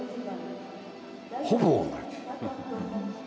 ほぼ同じ。